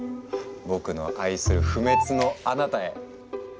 僕の愛する「不滅のあなたへ」。